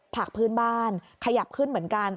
ผักพื้นบ้านขยับขึ้นเหมือนกัน